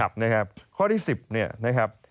ครับนะครับข้อที่๑๐เนี่ยนะครับ